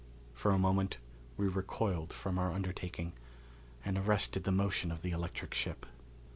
For a moment we recoiled from our undertaking, and arrested the motion of the electric ship.